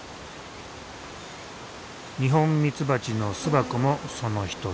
ニホンミツバチの巣箱もその一つ。